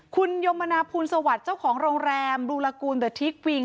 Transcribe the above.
คุณยมนาภูลสวัสดิ์เจ้าของโรงแรมบูลกูลเดอร์ทิกวิง